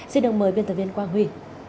xin đồng mời biên tập viên quang huy